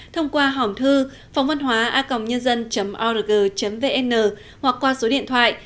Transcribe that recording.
thông qua hỏng thư phongvănhoaacomnhân dân org vn hoặc qua số điện thoại hai trăm bốn mươi ba hai trăm sáu mươi sáu chín nghìn năm trăm linh tám